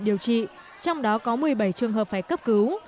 điều trị trong đó có một mươi bảy trường hợp phải cấp cứu